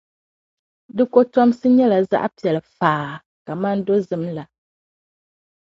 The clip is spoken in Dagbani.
di kɔtomsi nyɛla zaɣ’ piɛlli faa kaman dozim la.